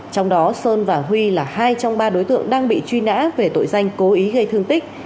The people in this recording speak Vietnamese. trong đó sơn và huy là hai trong ba đối tượng đang bị truy nã về tội danh cố ý gây thương tích